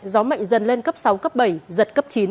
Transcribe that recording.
gió mạnh dần lên cấp sáu cấp bảy giật cấp chín